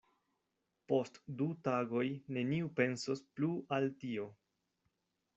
Post du tagoj neniu pensos plu al tio.